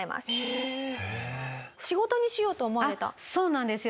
そうなんですよ。